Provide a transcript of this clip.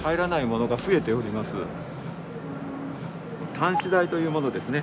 端子台というものですね。